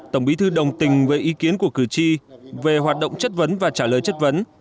tổng bí thư đồng tình với ý kiến của cử tri về hoạt động chất vấn và trả lời chất vấn